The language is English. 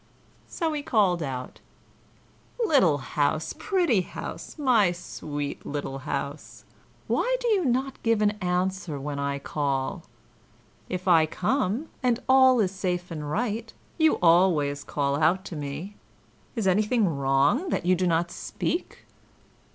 So he called out: "Little house, pretty house, my sweet little house, why do you not give an answer when I call? If I come, and all is safe and right, you always call out to me. Is anything wrong, that you do not speak?"